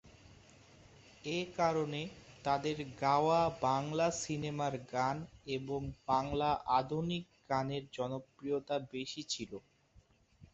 এ কারণে তাদের গাওয়া বাংলা সিনেমার গান এবং বাংলা আধুনিক গানের জনপ্রিয়তা বেশি ছিল।